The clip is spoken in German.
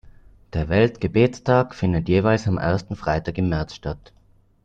Der Weltgebetstag findet jeweils am ersten Freitag im März statt.